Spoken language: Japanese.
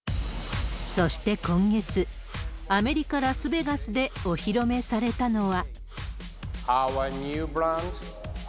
そして今月、アメリカ・ラスベガスでお披露目されたのは。